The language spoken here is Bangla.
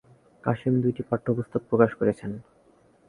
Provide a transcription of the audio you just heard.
কাসেম দুইটি পাঠ্যপুস্তক প্রকাশ করেছেন।